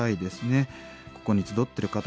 ここに集ってる方々